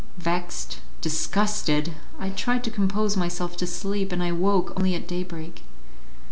Vexed, disgusted.... I tried to compose myself to sleep, and I woke only at day break.